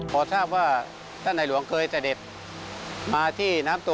ให้ธรรมชาติ